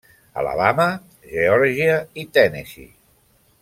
Alabama, Geòrgia i Tennessee.